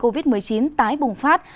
covid một mươi chín tái bùng phát